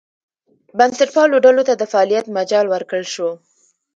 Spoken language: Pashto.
بنسټپالو ډلو ته د فعالیت مجال ورکړل شو.